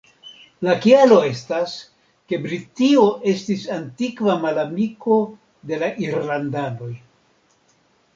La kialo estas, ke Britio estis antikva malamiko de la irlandanoj.